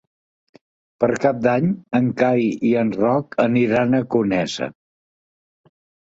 Per Cap d'Any en Cai i en Roc aniran a Conesa.